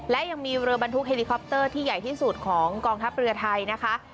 และยังมีเฮลีคอปเตอร์ที่ใหญ่ที่สุดของกองทัพเรือไทยนะคะ